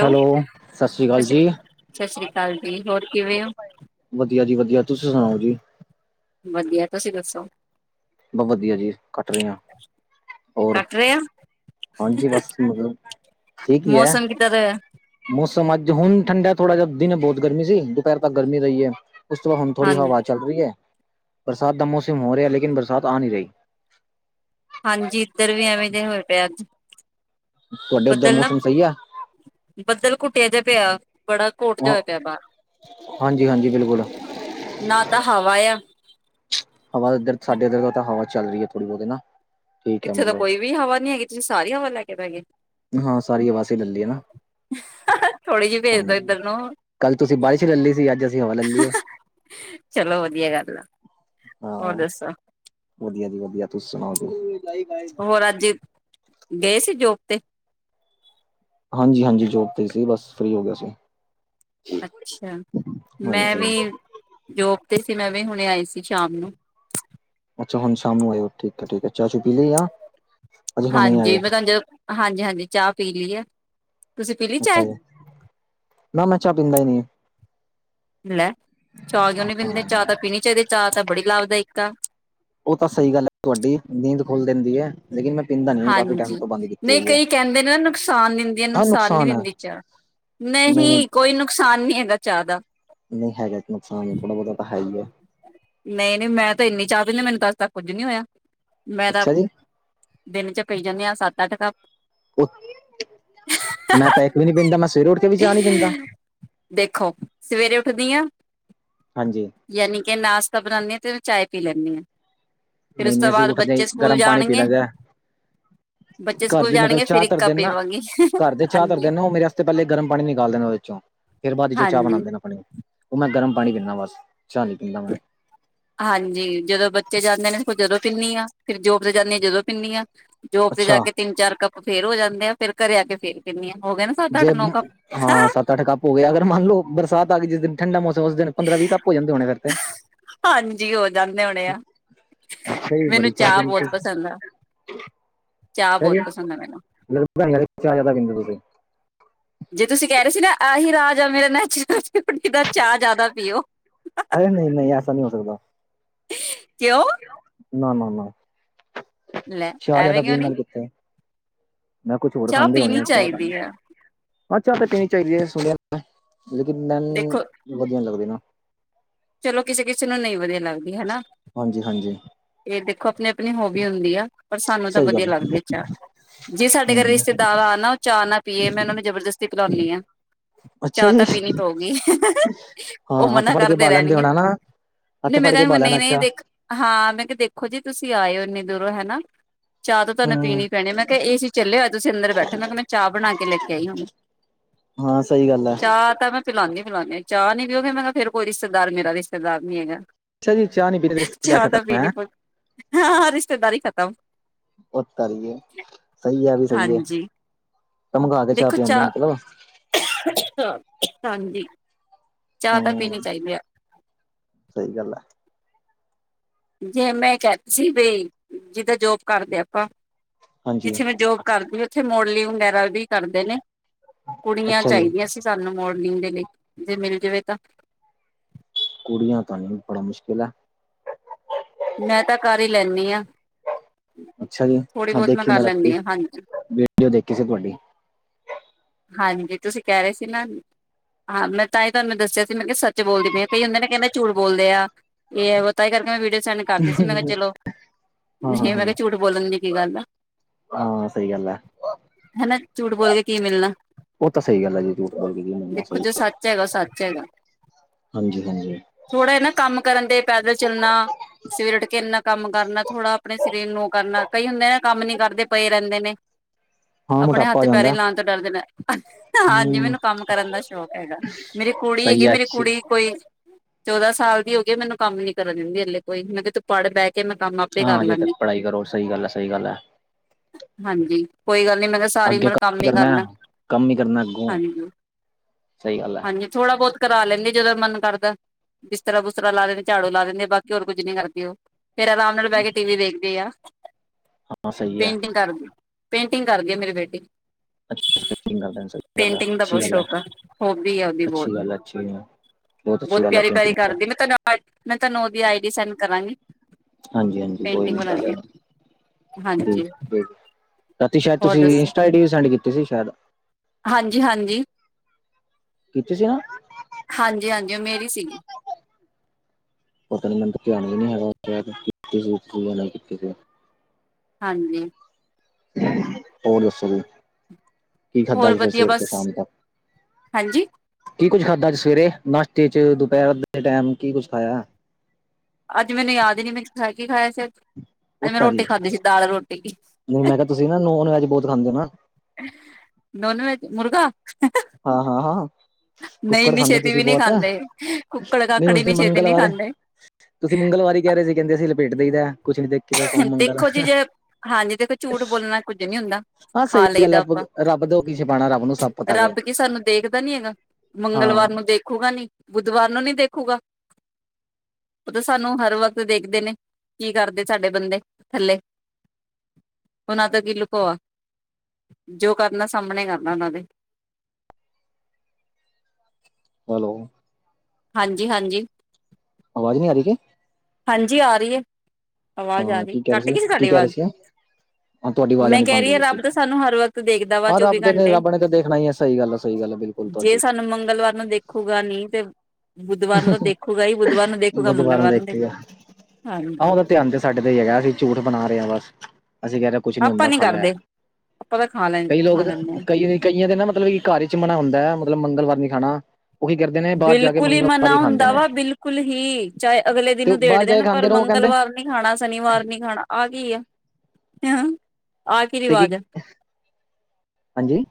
Hello, ਸ਼ਸਰੀਸ਼੍ਰੀ ਸਤਿ ਕਾਲ ਸ਼੍ਰੀ ਜੀ। ਸਤਿ ਸ਼੍ਰੀ ਅਕਾਲ ਜੀ ਹੋਰ ਕਿਵੇਂ ਹੋ ਵਧੀਆ ਜੀ ਵਧੀਆ, ਤੁਸੀਂ ਸਣਾਉ ਜੀ? ਵਧੀਆ, ਤੁਸੀਂ ਦੱਸੋ? ਬਅ ਵਧੀਆ ਜੀ ਕੱਟ ਰੇਆਂ, ਹੋਰ? ਕੱਟ ਰਹੇ ਆ ਹਾਜੀ ਬੱਸ ਹੁਣ ਜੀ ਬੱਸ ਮਤਲਬ ਠੀਕ ਈ ਐ। ਇੱਧਰ [unintelligible] ਮੋਸਮ ਅੱਜ ਹੁਣ ਠੰਡਾ ਥੋੜਾ ਜਾ, ਦਿਨੇ ਬਹੁਤ ਗਰਮੀ ਸੀ ਦੁਪਿਰ ਤੱਕ ਗਰਮੀ ਰਈ ਐ। ਇਸ ਤੋ ਬਾਅਦ ਹੁਣ ਹਾਂ ਥੋੜ੍ਹੀ ਜੀ ਹਵਾ ਚੱਲ ਰਹੀ ਐ ਬਰਸਾਤ ਦਾ ਮੌਸਮ ਹੋ ਰਿਹਾ ਲੇਕਿਨ ਬਰਸਾਤ ਆ ਨੀਂ ਰਹੀ। ਹਾਂਜੀ ਇੱਧਰ ਵੀ ਐਵੇਂ ਦੇ ਹੋਏ ਪਏ ਆ ਅੱਜ ਤੁਹਾਡੇ ਉੱਧਰ ਬੱਦਲ ਨਾ ਮੌਸਮ ਸਹੀ ਆ ਬੱਦਲ ਘੁਟਿਆ ਜਾ ਪਿਆ। ਬੜਾ ਘੋਟ ਜਾ ਹੋਇਆ ਪਿਆ ਬਾਰ ਹਾਂਜੀ ਹਾਂਜੀ ਬਿਲਕੁਲ ਨਾ ਤਾ ਹਵਾ ਆ। ਹਵਾ ਇੱਧਰ ਸਾਡੇ ਇੱਧਰ ਤਾਂ ਹਵਾ ਚੱਲ ਰਹੀ ਐ ਥੋੜ੍ਹੀ ਬਹੁਤ ਨਾਂ। ਇੱਥੇ ਤਾ ਕੋਈ ਵੀ ਹਵਾ ਨੀ ਹੈਗੀ ਤੁਸੀ ਸਾਰੀ ਹਵਾ ਲੈ ਕੇ ਬੈਗੇ। ਹਾਂ ਸਾਰੀ ਆਵਾਜ਼ ਹੀ ਲੈ ਲਈ ਹੈ ਨਾ ਅ-ਹਹ ਥੋੜ੍ਹੀ ਜੀ ਭੇਜ ਦੋ ਹਾਂਜੀ ਇੱਧਰ ਨੂੰ ਕੱਲ ਤੁਸੀਂ ਹ-ਹ-ਅ। ਬਾਰਿਸ਼ ਲੈ ਲਈ ਸੀ ਅੱਜ ਅਸੀਂ ਹਵਾ ਲੈ ਲਈਏ ਹਾ ਚਲੋ ਵਧੀਆ ਗੱਲ ਆ। ਹੋਰ ਹਾਂ, ਦੱਸੋ ਵਧੀਆ ਜੀ ਵਧੀਆ, ਤੁਸੀ ਸਣਾਓ ਜੀ? ਹੋਰ ਅੱਜ ਗਏ ਸੀ ਜੋਬ ਤੇ? ਹਾਂਜੀ-ਹਾਂਜੀ, ਜੋਬ ਤੇ ਈ ਸੀ ਬਸ ਫਰੀ ਹੋ ਗਿਆ ਸੀ। ਅੱਛਿਆ, ਮੈਂ ਹਾਂਜੀ ਵੀਂ ਜੋਬ 'ਤੇ ਸੀ ਮੈਂ ਵੀਂ ਹੁਣੇ ਆਈ ਸੀ ਸ਼ਾਮ ਨੂੰ। ਅੱਛਾ ਹੁਣ ਸ਼ਾਮ ਨੂੰ ਆਇਓ ਠੀਕੈ- ਠੀਕੈ ਚਾ- ਚੂ ਪੀ ਲੀ ਆ। ਅਜੇ ਹੁਣੇ ਹਾਂਜੀ, ਆਇਓ ਪਤਾ ਜਦੋ ਹਾਂਜੀ- ਹਾਂਜੀ ਚਾਹ ਪੀ ਲੀ ਐ। ਅੱਛਾ ਜੀ, ਨਾ ਮੈਂ ਚਾਹ ਪੀਂਦਾ ਈ ਨੀਂ। ਲੈ ਚਾਹ ਕਿਉਂ ਨੀਂ ਪੀਂਦੇ, ਚਾਹ ਤੇ ਪੀਣੀ ਚਾਹੀਦੀ ਐ ਚਾਹ ਤੇ ਬੜੀ ਲਾਭਦਾਇਕ ਆ। ਉਹ ਤਾ ਸਹੀ ਗੱਲ ਐ ਤੁਹਾਡੀ ਨੀਂਦ ਖੋਲ ਦਿੰਦੀ ਐ, ਲੇਕਿਨ ਮੈਂ ਪੀਂਦਾ ਨਹੀਂ ਕਾਫੀ ਟਾਈਮ ਹਾਂਜੀ, ਤੋਂ ਬੰਦ ਕੀਤੀ ਨਈਂ ਹੋਈ ਹੈ ਕਈ ਕਹਿੰਦੇ ਨੇ ਨਾ ਨੁਕਸਾਨ ਦਿੰਦੀ ਐ ਹਾਂ ਨੁਕਸਾਨ ਨੀਂ ਹੈ ਦਿੰਦੀ ਚਾਹ। ਨਹੀਂ ਕੋਈ ਨੁਕਸਾਨ ਨੀਂ ਹੈਗਾ ਚਾਹ ਦਾ। ਨਹੀ ਹੈਗਾ ਤੇ ਨੁਕਸਾਨ ਥੋੜ੍ਹਾ- ਬਹੁਤਾ ਤਾ ਹੈਈ ਐ। ਨਈਂ- ਨਈਂ ਮੈਂ ਤਾ ਇੰਨੀ ਚਾਹ ਪੀਦੀ ਆ ਮੈਨੂੰ ਤਾ ਅੱਜ ਤੱਕ ਕੁੱਝ ਨੀਂ ਹੋਇਆ ਮੈਂ ਤਾਂ ਅੱਛਾ ਜੀ ਦਿਨ 'ਚ ਪੀ ਜਾਨੀਂ ਆਂ ਸੱਤ, ਅੱਠ ਕੱਪ। ਉਹ ਮੈਂ ਤਾਂ ਇੱਕ ਵੀ ਨੀ ਪੀਂਦਾ ਮੈਂ ਸਵੇਰੇ ਉੱਠ ਕੇ ਵੀ ਚਾਹ ਨੀ ਪੀਂਦਾ। ਦੇਖੋ ਸਵੇਰੇ ਉੱਠਦੀ ਆਂ। ਹਾਂਜੀ। ਯਾਨੀ ਕਿ ਨਾਸ਼ਤਾ ਬਣਾਨੀ ਐ ਤੇ ਚਾਹੇ ਪੀ ਲੈਨੀ ਐ। ਨਈ -ਨਈ ਅਸੀ ਉੱਠਦੇ ਈ ਗਰਮ ਪਾਣੀ ਪੀ ਜਾਣਗੇ ਲੈਂਦੇ ਐ। ਬੱਚੇ ਘਰ ਸਕੂਲ ਦੇ ਮਤਲਬ ਜਾਣਗੇ ਫਿਰ ਚਾਅ ਇੱਕ ਧਰ ਕੱਪ ਦੇਣ ਨਾ ਪੀਵਾਂਗੀ ਘਰ ਦੇ ਚਾਹ ਧਰ ਹਾਂਜੀ। ਦੇਣ ਨਾ ਉਹ ਮੇਰੇ ਵਾਸਤੇ ਤੇ ਪਹਿਲੇ ਗਰਮ ਪਾਣੀ ਨਿਕਾਲਦੇ ਨੇ ਓਥੇ ਚੋਂ ਫ਼ਿਰ ਬਾਅਦ ਵਿੱਚ ਓਹ ਚਾਹ ਹਾਂਜੀ ਬਣਾਂਦੇ ਨੇ ਅਪਣੀ। ਉਹ ਮੈਂ ਗਰਮ ਪਾਣੀ ਪੀਨਾ ਬਸ ਚਾਹ ਨੀਂ ਪੀਂਦਾ ਮੈਂ। [inaudible] ਹਾਂਜੀ, ਜਦੋਂ ਬੱਚੇ ਜਾਂਦੇ ਨੇ ਜਦੋਂ ਪੀਂਨੀ ਆ ਫਿਰ ਜੋਬ ਤੇ ਜਾਂਦੀ ਆ ਜਦੋਂ ਪੀਂਨੀ ਆ। ਜੋਬ ਤੇ ਜਾ ਅੱਛਾ ਕੇ ਤਿੰਨ, ਚਾਰ ਕੱਪ ਫੇਰ ਹੋ ਜਾਂਦੇ ਆ ਫੇਰ ਘਰੇ ਆ ਕੇ ਫੇਰ ਪੀਂਨੀਂ ਆ ਹੋ ਗਏ ਨਾ ਸੱਤ ਅੱਠ ਜੇ ਨੌ ਨਾ ਕੱਪ ਹਾਂ ਸੱਤ ਅੱਠ ਕੱਪ। ਹੋ ਗਿਆ ਅਗਰ ਮੰਨ ਲਓ, ਬਰਸਾਤ ਆ ਗਈ ਜਿਸ ਦਿਨ ਠੰਡਾ ਮੌਸਮ ਉਸ ਦਿਨ ਪੰਦਰਾਂ, ਵੀਹ ਕੱਪ ਹੋ ਜਾਂਦੇ ਹੋਣੇ ਫਿਰ ਤੇ ਹਾਂਜੀ ਹੋ ਜਾਂਦੇ ਹੋਣੇ ਆ। ਅੱਛਾ ਜੀ ਮੈਨੂੰ ਬੜੀ ਚਾਹ ਪੀਂਦੇ ਬਹੁਤ ਪਸੰਦ ਆ। ਚਾਹ ਸਹੀ ਬਹੁਤ ਆ ਪਸੰਦ ਮੈਨੂੰ ਗਲ਼ਤ ਆ ਯਰ ਚਾਹ ਜਿਆਦਾ ਪੀਂਦੇ ਔ ਤੁਸੀਂ। ਜੇ ਤੁਸੀਂ ਕਹਿ ਰਹੇ ਸੀ ਨਾ ਆਹੀ ਰਾਜ ਆ ਮੇਰਾ ਨੇਚਰ 'ਚ। ਕਿੱਦਾਂ ਚਾਹ ਜ਼ਿਆਦਾ ਪੀਓ। ਅਰੇ ਨਹੀਂ ਨਹੀਂ ਐਸਾ ਨਹੀਂ ਹੋ ਸਕਦਾ ਨਾ -ਨਾ ਲੈ ਚਾਹ ਐਵੇਂ ਜਿਆਦਾ ਕਿਉਂ ਪੀਣ ਨੀ ਨਾਲ ਕਿੱਥੇ। ਮੈਂ ਕੁਛ ਹੋਰ ਚਾਹ ਖਾਂਦੇ ਹੋਣੇ ਪੀਣੀ ਆ ਚਾਹ ਪਾਣੀ ਚਾਹੀਦੀ ਆ ਆ ਚਾਹ ਤੇ ਪੀਣੀ ਚਾਹੀਦੀ ਆ ਸੁਣਿਆ ਮੈਂ ਲੇਕਿਨ ਮੈਨੂੰ ਦੇਖੋ ਵਧੀਆ ਨੀ ਲੱਗਦੀ ਨਾ। ਚਲੋ, ਕਿਸੇ - ਕਿਸੇ ਨੂੰ ਨਹੀਂ ਵਧੀਆ ਲੱਗਦੀ ਹਨਾ ਹਾਂਜੀ ਹਾਂਜੀ ਇਹ ਦੇਖੋ ਆਪਣੇ ਆਪਣੀ ਹੋਬੀ ਹੁੰਦੀ ਆ। ਪਰ ਸਾਨੂੰ ਤਾਂ ਸਹੀ ਵਧੀਆ ਗੱਲ ਹੈ ਲੱਗਦੀ ਚਾਹ, ਜੇ ਸਾਡੇ ਘਰ ਹਮ ਰਿਸ਼ਤੇਦਾਰ ਆ ਨਾ। ਚਾਹ ਨਾ ਪੀਏ, ਮੈਂ ਉਹਨਾਂ ਨੂੰ ਜਬਰਦਸਤੀ ਪਿਲਾਉਂਨੀ ਆ। ਅੱਛਾ ਚਾਹ ਤਾਂ ਜੀ ਪੀਣੀ ਪਊਗੀ, ਹਾਂ ਉਹ ਹੱਥ ਮਨਾ ਫੜ ਕੇ ਕਰ ਕਰਦੇ ਬਾਲਣ ਦੇ ਰਹਿਣਗੇ, ਹੋਣਾ ਨਾ ਹੱਥ ਨਹੀ ਮੈਂ ਫੜ ਕੇ ਕਹਿ ਦੂਗੀ ਬਾਲਣ ਨਹੀ - ਨਹੀਂ ਅੱਛਾ ਦੇਖ ਹਾਂ, ਮੈਂ ਕਿਹਾ ਦੇਖੋ ਜੀ, ਤੁਸੀਂ ਆਇਓ ਇੰਨੀ ਦੂਰੋਂ ਹਨਾ। ਚਾਹ ਤਾਂ ਤੁਹਾਨੂੰ ਹਮ ਪੀਣੀ ਪੈਣੀ ਆ, ਮੈਂ ਕਿਹਾ ਏ ਸੀ ਚੱਲੇ ਹੋਏ ਤੁਸੀਂ ਅੰਦਰ ਬੈਠੋ, ਮੈਂ ਕਿਹਾ ਮੈਂ ਚਾਹ ਬਣਾ ਕੇ ਲੈ ਆਈ ਹੁਨੇ। [inaudible] ਹਾਂ, ਸਹੀ ਗੱਲ ਆ। ਪਲਾਂਨੇ- ਪਲਾਂਨੇ ਚਾਹ ਨੀ ਪੀਓਗੇ ਮੈਂ ਕਿਹਾ ਫੇਰ ਕੋਈ ਰਿਸ਼ਤੇਦਾਰ ਮੇਰਾ ਰਿਸ਼ਤੇਦਾਰ ਨੀ ਹੈਗਾ। ਅੱਛਾ ਜੀ ਚਾਹ ਨੀ ਪੀਣੀ ਰਿਸ਼ਤੇਦਾਰ ਚਾਹ ਤਾਂ ਖਤਮ ਹੈ ਪੀਣੀ ਪਉ, ਹਾਂ ਰਿਸ਼ਤੇਦਾਰੀ ਖਤਮ। ਉਹ ਤੱਲ ਗਏ, ਸਹੀ ਆ ਵੀ ਸਹੀ ਏ। ਹਾਂਜੀ ਤਾਂ ਮੰਗਾਂ ਦੇ ਚਾਹ ਪੀਉਂਗੇ ਮਤਲਬ। ਹਾਂਜੀ, ਚਾਹ ਤਾਂ ਪੀਣੀ ਹਮ ਚਾਹੀਦੀ ਆ। ਸਹੀ ਗੱਲ ਆ। ਜੇ ਮੈਂ ਕਹਿ ਤੀ ਸੀ ਵੀ ਜਿੱਦਾਂ ਜੋਬ ਕਰਦੇ ਆਪਾਂ। ਹਾਂਜੀ ਜਿੱਥੇ ਮੈਂ ਜੋਬ ਕਰਦੀ ਆ, ਉੱਥੇ ਮੋਡਲਿੰਗ ਵਗੈਰਾ ਵੀ ਕਰਦੇ ਨੇ। ਕੁੜੀਆਂ ਅੱਛਾ ਜੀ ਚਾਹੀਦੀਆਂ ਸੀ। ਸਾਨੂੰ ਮੋਡਲਿੰਗ ਦੇ ਲਈ ਜੇ ਮਿਲ ਜਾਵੇ ਤਾਂ। ਕੁੜੀਆਂ ਤਾਂ ਨੀ, ਬੜਾ ਮੁਸ਼ਕਿਲ ਆ। ਮੈਂ ਤਾਂ ਕਰ ਹੀ ਲੈਨੀ ਆਂ। ਅੱਛਾ ਜੀ, ਹਾਂ ਦੇਖੀ ਕਰ ਮੈਂ ਰਾਤੀ ਲੈਂਦੀ ਹਾਂ ਹਾਂਜੀ ਵੀਡੀਓ ਦੇਖੀ ਸੀ ਤੁਹਾਡੀ। ਹਾਂਜੀ, ਤੁਸੀਂ ਕਹਿ ਰਹੇ ਸੀ ਨਾ। ਹਾਂ ਮੈਂ ਤਾਂਹੀ ਤੁਹਾਨੂੰ ਦੱਸਿਆ ਸੀ ਮੈਂ ਕਿਹਾ ਸੱਚ ਬੋਲਦੀ ਪਈ ਆ ਕਈ ਹੁੰਦੇ ਨੇ ਕਹਿੰਦੇ ਝੂਠ ਬੋਲਦੇ ਆ। ਇਹ ਔਹ ਤਾਂ ਕਰਕੇ ਮੈਂ ਵੀਡੀਓ ਸੈਂਡ ਕਰਦੀ ਸੀ ਮੈਂ ਕਿਹਾ ਹਾਂ ਚਲੋ। ਹਾਂ ਨਹੀਂ ਮੈਂ ਕਿਹਾ, ਹਾਂ ਝੂਠ ਬੋਲਣ ਦੀ ਕੀ ਗੱਲ ਆ। ਹਾਂ, ਸਹੀ ਗੱਲ ਆ। ਹਨਾ, ਝੂਠ ਬੋਲ ਕੇ ਕੀ ਮਿਲਣਾ ਉਹ ਤਾਂ ਸਹੀ ਗੱਲ ਹੈ ਜੀ ਝੂਠ ਬੋਲ ਕੇ ਮੰਨਣਾ ਦੇਖੋ ਸਹੀ ਜੇ ਸੱਚ ਸੱੱਚ ਹੈਗਾ, ਸੱਚ ਹੈਗਾ। ਹਾਂਜੀ -ਹਾਂਜੀ। ਥੋੜਾ ਜਾ ਨਾ ਕੰਮ ਕਰਨ ਤੇ ਪੈਦਲ ਚੱਲਣਾ, ਸਵੇਰੇ ਉੱਠ ਕੇ ਇੰਨਾ ਕੰਮ ਕਰਨਾ ਥੋੜਾ। ਆਪਣੇ ਸਰੀਰ ਨੂੰ ਉਹੋ ਕਰਨਾ, ਕਈ ਹੁੰਦੇ ਨਾ ਕੰਮ ਨੀ ਕਰਦੇ ਪਏ ਰਹਿੰਦੇ ਨੇ। ਹਾਂ ਆਪਣੇ ਮੋਟਾਪਾ ਹੱਥ ਹੋ ਪੈਰੇ ਜਾਂਦਾ ਹਿਲਾਣ ਤੋਂ ਡਰਦੇ ਨੇ ਹਾਂਜੀ, ਹਮ ਮੈਨੂੰ ਕੰਮ ਕਰਨ ਦਾ ਸ਼ੌਕ ਹੈਗਾ। ਮੇਰੀ ਕੁੜੀ ਹੈਗੀ ਸਹੀ ਐ, ਹੈ ਮੇਰੀ ਅੱਛੀ ਕੁੜੀ ਕੋਈ ਚੌਦਾਂ ਸਾਲ ਦੀ ਹੋ ਗਈ, ਮੈਨੂੰ ਕੰਮ ਨੀ ਕਰਨ ਦਿੰਦੀ ਹਾਲੇ ਕੋਈ, ਮੈਂ ਕਿਹਾ ਤੂੰ ਪੜ੍ਹ ਬਹਿ ਕੇ ਮੈਂ ਕੰਮ ਆਪੇ ਕਰ ਹਜੇ ਤੱਕ ਲਾਂਗੀ ਪੜ੍ਹਾਈ ਕਰੋ, ਸਹੀ ਗੱਲ ਹੈ, ਸਹੀ ਗੱਲ। ਹਾਂਜੀ, ਕੋਈ ਗੱਲ ਨੀ ਮੈਂ ਕਿਹਾ ਸ ਸਾਰੀ ਅੱਗੇ ਉਮਰ ਕੰਮ ਹੀ ਹੈ ਕਰਨਾ। ਕੰਮ ਹੀ ਕਰਨਾ ਅੱਗੋਂ ਹਾਂਜੀ, ਸਹੀ ਗੱਲ ਹੈ ਹਾਂਜੀ। ਥੋੜਾ ਬਹੁਤ ਕਰਾ ਲੈਂਦੀ ਆ, ਜਦ ਮਨ ਕਰਦਾ। ਬਿਸਤਰਾ-ਬੁਿਸਤਰਾ ਲਾ ਦਿੰਦੀ ਝਾੜੂ ਲਾ ਦਿੰਦੀ ਆ ਬਾਕੀ ਹੋਰ ਕੁੱਝ ਨੀ ਕਰਦੇ ਉਹ ਫੇਰ ਆਰਾਮ ਨਾਲ ਬਹਿ ਕੇ [unintelligible] ਹਾਂ ਸਹੀ ਹੈ ਪੇਂਟਿੰਗ ਕਰਦੀ [inaudible] ਪੇਂਟਿੰਗ ਕਰਦੀ ਆ ਮੇਰੀ ਬੇਟੀ ਅੱਛਾ। [unintelligible] [unintelligible] ਪੇਂਟਿੰਗ ਦਾ ਬਹੁਤ ਸ਼ੌਕ ਆ ਹੋਬੀ ਆ ਉਹਦੀ ਬਹੁਤ ਅੱਛੀ ਗੱਲ ਹੈ ਅੱਛੀ ਗੱਲ ਹੈ [inaudible] [inaudible] ਬਹੁਤ ਅੱਛੀ ਗੱਲ ਹੈ ਪਿਆਰੀ-ਪਿਆਰੀ ਪੇਂਟਿੰਗ ਦਾ ਕਰਦੀ ਮੈਂ ਤੁਹਾਨੂੰ ਮੈਂ ਤੁਹਾਨੂੰ ਉਹਦੀ ਆਈ ਡੀ ਸੈਂਡ ਕਰਾਂਗੀ। ਹਾਂਜੀ ਹਾਂਜੀ ਕੋਈ [unintelligible] ਪੇਂਟਿੰਗ ਬਣਾਦੀ ਨੀ ਹਾਂਜੀ ਰਾਤੀ ਸ਼ਾਇਦ ਹੋਰ ਤੁਸੀਂ ਦੱਸੋ ਇੰਸਟਾ ਆ ਡੀ ਸੈਂਡ ਕੀਤੀ ਸੀ ਸ਼ਾਇਦ ਹਾਂਜੀ ਹਾਂਜੀ ਕੀਤੀ ਸੀ ਨਾ [inaudible] ਹਾਂਜੀ ਹਾਂਜੀ ਮੇਰੀ ਸੀਗੀ ਪਤਾ ਨੀ ਮੈਨੂੰ ਧਿਆਨ ਵੀ ਨੀ ਹੈਗਾ ਸੀ [unintelligible] ਕੀਤੀ ਸੀ। ਹਾਂਜੀ। ਹੋਰ ਦੱਸੋ ਜੀ? ਕੀ ਖਾਦਾ ਹੋਰ ਅੱਜ ਫੇਰ ਵਧੀਆ ਸਵੇਰ ਬਸ ਤੋਂ ਸ਼ਾਮ ਤੱਕ ਹਾਂਜੀ [inaudible] ਕੀ ਕੁੱਝ ਖਾਧਾ ਅੱਜ ਸਵੇਰੇ ਨਾਸ਼ਤੇ ਚ ਦੁਪਹਿਰ ਦੇ ਟਾਈਮ ਕੀ ਕੁੱਝ ਖਾਇਆ? ਅੱਜ ਮੈਨੂੰ ਯਾਦ ਹੀ ਨੀ ਮੈਂ ਖਾ ਕੀ ਖਾਇਆ ਸੀ, ਅੱਜ ਉਹ ਮੈਂ ਤਾਰੀ ਰੋਟੀ ਖਾਧੀ ਸੀ ਦਾਲ-ਰੋਟੀ ਕੀ ਨਹੀਂ ਮੈਂ ਕਿਹਾ ਤੁਸੀਂ ਨਾ ਨੋਨਵੈਜ ਬਹੁਤ ਖਾਂਦੇ ਹੋ ਨਾ ਨੋਨ ਵੈਜ ਮੁੁਰਗਾ ਹਾਂ -ਹਾਂ, ਹਾਂ ਨਹੀਂ ਕੁੱਕੜ ਇੰਨੀ ਖਾਂਦੇ ਛੇਤੀ ਤੁਸੀਂ ਵੀ ਨਹੀਂ ਬਹੁਤ ਖਾਂਦੇ ਕੁੱਕੜ ਨਹੀਂ ਕਾਕੜ ਉਸਦੇ ਇੰਨੀ ਛੇਤੀ ਨਹੀਂ ਮੰਗਲਵਾਰੇ ਖਾਂਦੇ ਤੁਸੀਂ ਮੰਗਲਵਾਰ ਈ ਕਹਿ ਰਹੇ ਸੀ ਕਹਿੰਦੇ ਅਸੀਂ ਲਪੇਟ ਦਈ ਦਾ ਕੁਛ ਨ ਦੇਖ ਦੇਖੋ ਜੀ ਜੇ ਹਾਂਜੀ ਦੇਖੋ ਝੂਠ ਬੋਲਣਾ ਕੁੱਝ ਨਹੀਂ ਹੁੰਦਾ। ਹਾਂ ਸਹੀ ਖਾ ਗੱਲ ਲਈਦਾ ਐ ਆਪਾਂ ਰੱਬ ਤੋਂ ਕੀ ਛਪਾਣਾ ਰੱਬ ਨੂੰ ਸਭ ਪਤਾ ਵੇ ਰੱਬ ਕੀ ਸਾਨੂੰ ਦੇਖਦਾ ਨੀ ਹੈਗਾ ਹਾਂ ਮੰਗਲਵਾਰ ਨੂੰ ਦੇਖੂਗਾ ਨੀ, ਬੁੱਧਵਾਰ ਨੂੰ ਨੀ ਦੇਖੂਗਾ ਉਹ ਤਾਂ ਸਾਨੂੰ ਹਰ ਵਕਤ ਦੇਖਦੇ ਨੇ ਕੀ ਕਰਦੇ ਸਾਡੇ ਬੰਦੇ ਥੱਲੇ ਉਹਨਾਂ ਤੋਂ ਕੀ ਲੁਕੋ ਵਾ ਜੋ ਕਰਨਾ ਸਾਹਮਣੇ ਕਰਨਾ ਉਹਨਾਂ ਦੇ ਹੈਲੋ। ਹਾਂਜੀ, ਹਾਂਜੀ। ਆਵਾਜ਼ ਨਹੀਂ ਆ ਰਹੀ ਕਿ? ਹਾਂਜੀ ਆ ਰਹੀ ਐ ਆਵਾਜ਼ ਆ ਹਾਂ ਰਹੀ ਕੀ ਕਹਿ ਰਹੇ ਕੱਟ ਗਈ ਸੀ ਕੀ ਸਾਡੀ ਕਹਿ ਰਹੇ ਆਵਾਜ਼ ਸੀ ਹਾਂ ਤੁਹਾਡੀ ਆਵਾਜ਼ ਮੈਂ ਆਣੀ ਕਹਿ ਬੰਦ ਰਹੀ ਹੋ ਹਾਂ ਗਈ ਰੱਬ ਸੀ ਤਾਂ ਸਾਨੂੰ ਹਰ ਵਕਤ ਦੇਖਦਾ ਵਾ ਹਾਂ ਚੌਵੀ ਰੱਬ ਦੇ ਨੇ ਘੰਟੇ ਰੱਬ ਨੇ ਤਾਂ ਦੇਖਣਾ ਹੀ ਹੈ ਸਹੀ ਗੱਲ ਹੈ ਸਹੀ ਗੱਲ ਹੈ ਬਿਲਕੁਲ ਜੇ ਤੁਹਾਡੀ ਸਾਨੂੰ ਮੰਗਲਵਾਰ ਦੇਖੂਗਾ ਨੀ ਤੇ ਬੁੱਧਵਾਰ ਨੂੰ ਤਾਂ ਦੇਖੂਗਾ ਹੀ ਬੁੱਧਵਾਰ ਨੂੰ ਦੇਖੂਗਾ ਮੰਗਲਵਾਰ ਨੂੰ ਦੇਖੂਗਾ ਆਹੋ ਹਾਂਜੀ ਉਹਦਾ ਧਿਆਨ ਤੇ ਸਾਡੇ ਤੇ ਹੀ ਹੈਗਾ ਅਸੀਂ ਝੂਠ ਬਣਾ ਰਹੇ ਹਾਂ ਬਸ, ਅਸੀਂ ਕਹਿ ਰਹੇ ਕੁਛ ਨੀ ਆਪਾਂ ਹੁੰਦਾ ਖਾਲਾ ਐ, ਕਰਦੇ ਆਪਾਂ ਤਾਂ ਖਾ ਲੈ ਕਈ ਲੋਕ ਖਾ ਲੈਂਦੇ ਹਾਂ। ਕਈ ਕਈਆਂ ਦੇ ਨਾ ਮਤਲਬ ਕਿ ਘਰ ਚ ਮਨਾ ਹੁੰਦਾ ਐ ਮਤਲਬ ਮੰਗਲਵਾਰ ਨੀ ਖਾਣਾ ਉਹ ਕੀ ਕਰਦੇ ਨੇ ਬਾਹਰ ਜਾ ਕੇ ਬਿਲਕੁਲ ਹੀ ਮੰਗਲ ਹੁੰਦਾ ਵਾ ਬਿਲਕੁਲ ਹੀ ਚਾਹੇ ਅਗਲੇ ਤੇ ਦਿਨ ਦੇੜ ਬਾਹਰ ਜਾ ਕੇ ਦੇਣ ਪਰ ਖਾਂਦੇ ਰਹੋ ਉਹ ਕਹਿੰਦੇ ਮੰਗਲਵਾਰ ਨੀ ਖਾਣਾ ਸ਼ਨੀਵਾਰ ਨੀ ਖਾਣਾ ਆਹ ਕੀ ਆ [unintelligible] ਤੇ ਕੀ ਰਿਵਾਜ਼ ਆ [inaudible] ਹਾਂਜੀ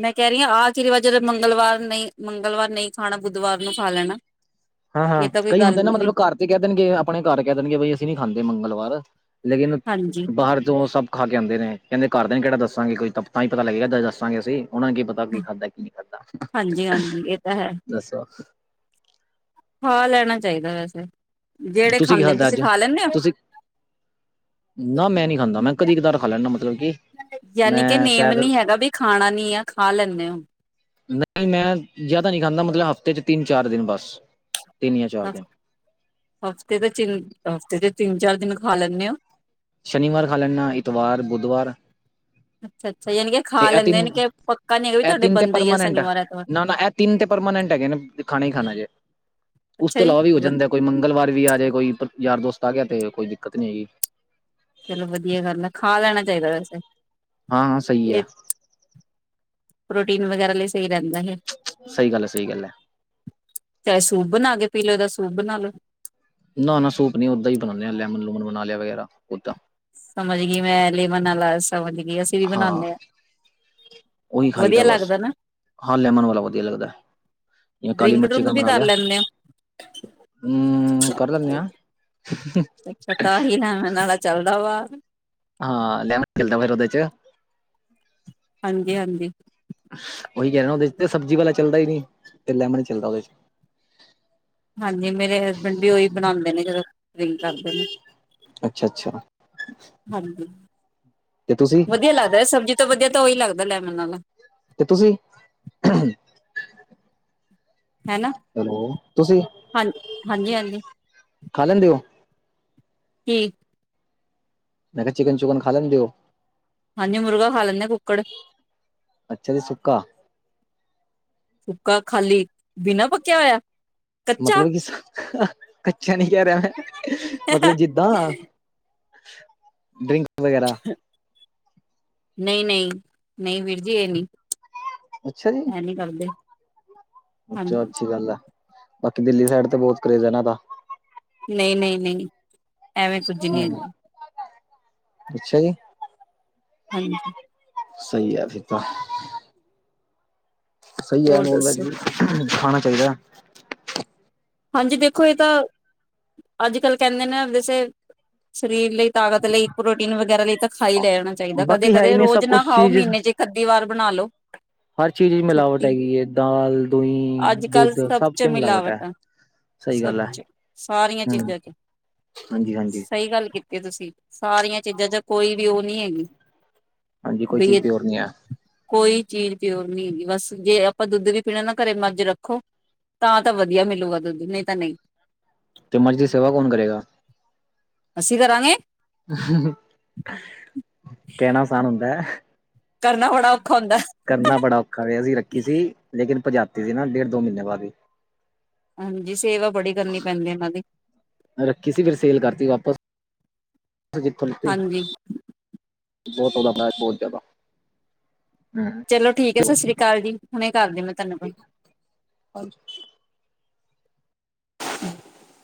ਮੈਂ ਕਹਿ ਰਹੀ ਆ ਕੀ ਰਿਵਾਜ ਐ ਜਦੋਂ ਨਹੀਂ ਮੰਗਲਵਾਰ ਨਹੀਂ ਖਾਣਾ ਬੁੱਧਵਾਰ ਨੂੰ ਖਾ ਲੈਣਾ। ਹਾਂ -ਹਾਂ, ਇਹ ਤਾਂ ਕੋਈ ਕਈ ਗੱਲ ਹੁੰਦੇ ਨਾ ਨਹੀਂ ਹੋਈ ਮਤਲਬ ਘਰ ਤੇ ਕਹਿ ਦੇਣਗੇ ਆਪਣੇ ਘਰ ਕਹਿ ਦੇਣਗੇ ਬਈ ਅਸੀਂ ਨੀ ਖਾਂਦੇ ਮੰਗਲਵਾਰ ਲੇਕਿਨ ਹਾਂਜੀ ਬਾਹਰ ਤੋਂ ਸਭ ਖਾ ਕੇ ਆਉਂਦੇ ਨੇ ਕਹਿੰਦੇ ਘਰਦੇ ਨੂੰ ਕਿਹੜਾ ਦੱਸਾਂਗੇ ਕੋਈ ਤਾਂ ਹੀ ਪਤਾ ਲੱਗੇਗਾ ਦੱਸਾਂਗੇ ਅਸੀਂ ਉਹਨਾਂ ਨੂੰ ਕੀ ਪਤਾ ਵੀ ਕੀ ਖਾਧਾ ਕੀ ਨਹੀਂ ਹਾਂਜੀ ਖਾਧਾ ਹਾਂਜੀ ਇਹ ਤਾਂ ਹੈ ਦੱਸੋ? ਖਾ ਲੈਣਾ ਚਾਹੀਦਾ ਵੈਸੇ ਜਿਹੜੇ ਕੀ ਖਾਂਦੇ ਨੇ ਖਾਧਾ ਤੁਸੀਂ ਅੱਜ ਖਾ ਲੈਂਦੇ ਹੋ? ਤੁਸੀਂ ਨਾ ਮੈਂ ਨੀ ਖਾਂਦਾ ਮੈਂ ਕਦੀ-ਕਦਾਰ ਖਾ ਲੈਨਾਂ ਮਤਲਬ ਕਿ ਯਾਨੀ ਕਿ ਮੈਂ ਨੇਮ ਸ਼ਾਇਦ ਨੀ ਹੈਗਾ ਵੀ ਖਾਣਾ ਨੀ ਆ ਖਾ ਲੈਂਦੇ ਹੋ। ਨਹੀਂ ਮੈਂ ਜ਼ਿਆਦਾ ਨਹੀਂ ਖਾਂਦਾ ਮਤਲਬ ਹਫ਼ਤੇ ਚ ਤਿੰਨ-ਚਾਰ ਦਿਨ ਬਸ ਤਿੰਨ ਜਾਂ ਚਾਰ ਦਿਨ ਹਫ਼ਤੇ ਦੇ ਹਫ਼ਤੇ ਦੇ ਤਿੰਨ-ਚਾਰ ਦਿਨ ਖਾ ਲੈਂਦੇ ਆ। ਸ਼ਨੀਵਾਰ ਖਾ ਲੈਂਣਾ ਐਤਵਾਰ, ਬੁੱਧਵਾਰ, ਅੱਛਾ-ਅੱਛਾ ਯਾਨੀ ਕਿ ਤੇ ਇਹ ਲੈਂਦੇ ਯਾਨੀ ਤਿੰਨ ਪੱਕਾ ਨੀ ਹੈਗਾ ਵੀ ਤੁਹਾਡੇ ਬੰਦੇ ਹੀ ਆ ਸ਼ਨੀਵਾਰ, ਐਤਵਾਰ। ਤੀਨ ਤੇ ਪਰਮਾਨੈਂਟ ਹੈਗੇ ਨੇ ਵੀ ਖਾਣਾ ਈ ਖਾਣਾ ਜੇ, ਉਸ ਅੱਛਾ ਤੋਂ ਜੀ। ਇਲਾਵਾ ਵੀ ਹੋ ਜਾਂਦਾ ਕੋਈ ਮੰਗਲਵਾਰ ਵੀ ਆਜੇ ਕੋਈ ਯਾਰ ਦੋਸਤ ਆ ਗਿਆ ਤੇ ਕੋਈ ਦਿੱਕਤ ਨੀ ਹੈਗੀ। ਚੱਲੋ ਵਧੀਆ ਗੱਲ ਐ, ਖਾ ਲੈਣਾ ਚਾਹੀਦਾ ਵੈਸੇ। ਹਾਂ-ਹਾਂ ਸਹੀ ਆ। ਇਹ ਪ੍ਰੋਟੀਨ ਵਗੈਰਾ ਲਈ ਸਹੀ ਰਹਿੰਦਾ ਏ। ਸਹੀ ਗੱਲ ਏ, ਸਹੀ ਗੱਲ ਏ। ਚਾਹੇ ਸੂਪ ਬਣਾ ਕੇ ਪੀਲੋ, ਇਹਦਾ ਸੂਪ ਬਣਾਲੋ। ਨਾ-ਨਾ ਸੂਪ ਨੀ ਉੱਦਾਂ ਹੀ ਬਣਾਦੇ ਲੈਮਨ-ਲੂਮਨ ਬਣਾ ਲਿਆ ਵਗੈਰਾ ਉਦਾਂ। ਸਮਝ ਗਈ ਮੈਂ ਲੇਮਨ ਆਲਾ ਸਮਝ ਗੀ ਅਸੀਂ ਵੀ ਹਾਂ ਬਣਾਣੇ ਆ। ਉਹੀ ਵਧੀਆ ਖਾਈਦਾ ਬਸ। ਲੱਗਦਾ ਨਾ ਹਾਂ, ਲੈਮਨ ਵਾਲਾ ਵਧੀਆ ਲੱਗਦਾ ਆ। ਜਿਵੇਂ ਕਾਲੀ ਡਰਿੰਕ ਮੱਛੀ ਡਰੁੰਕ ਕਾ ਵੀ ਬਣਾ ਕਰ ਲਿਆ। ਲੈਂਦੇ ਹਮ ਕਰ ਲੈਣੇ ਆ। ਅੱਛਾ ਤਾਂਹੀ ਲੈਮਨ ਆਲਾ ਚੱਲਦਾ ਵਾਂ। ਹਾਂ ਲੈਮਨ ਚੱਲਦਾ ਫੇਰ ਉਹਦੇ 'ਚ। ਹਾਂਜੀ-ਹਾਂਜੀ। ਉਈ ਉਹਦੇ ਚ ਤੇ ਸਬਜ਼ੀ ਵਾਲਾ ਚੱਲਦਾ ਈ ਨਹੀਂ ਤੇ ਲੈਮਨ ਚੱਲਦਾ ਉਹਦੇ 'ਚ। ਹਾਂਜੀ ਮੇਰੇ ਹਸਬੈਂਡ ਵੀ ਉਈ ਬਣਾਦੇ ਨੇ ਜਦੋਂ ਡਰਿੰਕ ਕਰਦੇ ਨੇ। ਅੱਛਾ ਅੱਛਾ ਹਾਂਜੀ। ਤੇ ਤੁਸੀ? ਵਧੀਆ ਲੱਗਦਾ, ਸਬਜ਼ੀ ਤੋਂ ਵਧੀਆ ਤਾਂ ਉਹੀ ਲੱਗਦਾ ਲੈਮਨ ਆਲਾ। ਤੇ ਤੁਸੀਂ, ਹੈਨਾ ਹੈਲੋ, ਤੁਸੀਂ ਹਾਂ ਹਾਂਜੀ-ਹਾਂਜੀ ਖਾ ਲੈਂਦੇ ਉਹ? ਠੀਕ। ਮੈਂ ਕਿਹਾ ਚਿਕਨ-ਚੁਕਨ ਖਾ ਲੈਂਦੇ ਓ? ਹਾਂਜੀ ਮੁਰਗਾ ਖਾ ਲੈਣੇ ਆ ਕੁੱਕੜ। ਅੱਛਾ ਜੀ ਸੁੱਕਾ ਸੁੱਕਾ ਖਾਲੀ ਬਿਨ੍ਹਾਂ ਪੱਕਿਆ ਹੋਇਆ। ਕੱਚਾ ਮਤਲਬ ਕਿ ਕੱਚਾ ਨੀ ਕਹਿ ਰਿਹਾ ਮੈਂ ਮਤਲਬ ਜਿੱਦਾਂ, ਡਰਿੰਕ ਵਗੈਰਾ। ਨਹੀਂ-ਨਹੀਂ, ਨਹੀਂ ਵੀਰ ਜੀ ਇਹ ਨਹੀਂ। ਇਹ ਨੀ ਕਰਦੇ। ਹਾਂਜੀ ਅੱਛਾ-ਅੱਛੀ ਗੱਲ ਏ। ਬਾਕੀ ਦਿੱਲੀ ਸਾਈਡ ਤੇ ਬਹੁਤ ਕਰੇਜ਼ ਏ ਇਨ੍ਹਾਂ ਦਾ। ਨਹੀਂ-ਨਹੀਂ-ਨਹੀਂ ਐਵੇਂ ਕੁੱਝ ਨਹੀਂ ਹੂੰ ਹੈਗਾ। ਅੱਛਾ ਜੀ। ਹਾਂਜੀ। ਸਹੀ ਆ ਫਿਰ ਤਾਂ। ਸਹੀ ਆ ਹੋਰ ਨੋਨ ਵੈੱਜ ਦੱਸੋ ਵੀ ਖਾਣਾ ਚਾਹੀਦਾ। ਹਾਂਜੀ ਦੇਖੋ, ਇਹ ਤਾਂ ਅੱਜ-ਕੱਲ੍ਹ ਕਹਿੰਦੇ ਨੇ ਵੈਸੇ ਸਰੀਰ ਲਈ ਤਾਕਤ ਲਈ ਪ੍ਰੋਟੀਨ ਵਗੈਰਾ ਲਈ ਤਾਂ ਖਾਈ ਲੈਣਾ ਚਾਹੀਦਾ ਬਾਕੀ ਹੈ ਹੀ ਕਦੇ-ਕਦੇ ਨਹੀਂ ਰੋਜ਼ ਸਭ ਨਾ ਕੁਛ ਖਾਓ। ਚੀਜ਼ ਮਹੀਨੇ 'ਚ ਇੱਕ-ਅੱਧੀ ਵਾਰ ਬਣਾ ਲੋ। ਹਰ ਚੀਜ਼ ਚ ਮਿਲਾਵਟ ਛੁੱਟੀ ਹੈਗੀ ਏ ਦਾਲ, ਦੂਹੀ, ਦੁੱਧ ਸਭ ਚ ਮਿਲਾਵਟ ਐ। ਸਭ ਚ ਸਾਰੀਆਂ ਚੀਜ਼ਾਂ ਚ ਹਾਂਜੀ ਹਾਂਜੀ ਸਹੀ ਗੱਲ ਕੀਤੀ। ਕੇ ਤੁਸੀ ਸਾਰੀਆਂ ਚੀਜ਼ਾਂ ਚ ਕੋਈ ਵੀ ਉਹ ਨਹੀਂ ਹੈਗੀ। ਹਾਂਜੀ ਕੋਈ ਚੀਜ਼ ਬਈ ਪਿਓਰ ਨਹੀਂ ਐ। ਕੋਈ ਚੀਜ਼ ਪਿਓਰ ਨਹੀਂ ਹੈਗੀ ਬਸ ਜੇ ਆਪਾਂ ਦੁੱਧ ਵੀ ਪੀਣਾ ਨਾ, ਘਰੇ ਮੱਜ ਰੱਖੋ। ਤਾਂ-ਤਾਂ ਵਧੀਆ ਮਿਲੂਗਾ ਦੁੱਧ। ਨਹੀਂ ਤਾਂ ਨਹੀਂ। 'ਤੇ ਮੱਝ ਦੀ ਸੇਵਾ ਕੌਣ ਕਰੇਗਾ? ਅਸੀਂ ਕਰਾਂਗੇ। ਕਹਿਣਾ ਅਸਾਨ ਹੁੰਦਾ ਐ। ਕਰਨਾ ਬੜਾ ਔਖਾ ਹੁੰਦਾ। ਕਰਨਾ ਬੜਾ ਔਖਾ ਰਿਹਾ, ਅਸੀਂ ਰੱਖੀ ਸੀ ਲੇਕਿਨ ਭਜਾਤੀ ਸੀ ਨਾ ਡੇਢ, ਦੋ ਮਹੀਨੇ ਬਾਅਦ ਹੀ ਹਾਂਜੀ, ਸੇਵਾ ਬੜੀ ਕਰਨੀ ਪੈਂਦੀ ਇਹਨਾਂ ਦੀ। ਰੱਖੀ ਸੀ, ਫਿਰ ਸੇਲ ਕਰਤੀ ਵਾਪਸ ' [unintelligible] ' ' [inaudible] ' ਬਹੁਤ‌ ਹਾਂਜੀ ਰੌਲਾ ਪਾਇਆ ਬਹੁਤ ਜ਼ਿਆਦਾ। ਹੂੰ। ਚਲੋ ਠੀਕ ਐ, ਸ਼ਸਰੀ ਕਾਲ ਜੀ, ਹੁਣੇ ਕਰਦੇ ਮੈਂ ਧੰਨਵਾਦ ਹਾਂਜੀ। ' [unintelligible]